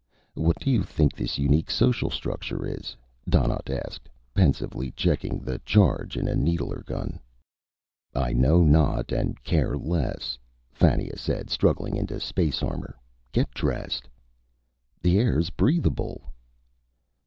"What do you think this unique social structure is?" Donnaught asked, pensively checking the charge in a needler gun. "I know not and care less," Fannia said, struggling into space armor. "Get dressed." "The air's breathable."